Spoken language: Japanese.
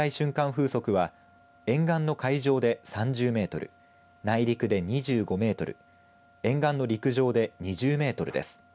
風速は沿岸の海上で３０メートル内陸で２５メートル沿岸の陸上で２０メートルです。